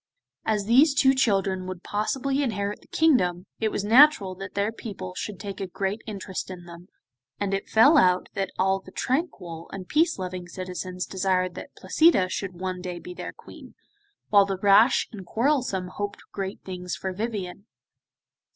As these two children would possibly inherit the kingdom, it was natural that their people should take a great interest in them, and it fell out that all the tranquil and peace loving citizens desired that Placida should one day be their Queen, while the rash and quarrelsome hoped great things for Vivien.